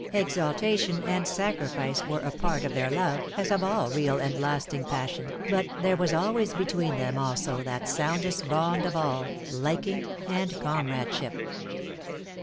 Exaltation and sacrifice were a part of their love, as of all real and lasting passion, but there was always between them also that soundest bond of all, liking and comradeship.